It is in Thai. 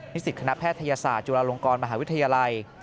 สิตคณะแพทยศาสตร์จุฬาลงกรมหาวิทยาลัย